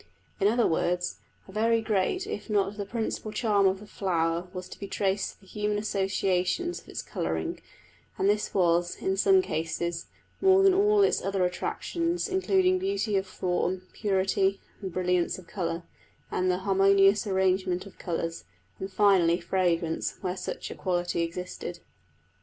In other words, a very great if not the principal charm of the flower was to be traced to the human associations of its colouring; and this was, in some cases, more than all its other attractions, including beauty of form, purity and brilliance of colour, and the harmonious arrangement of colours; and, finally, fragrance, where such a quality existed.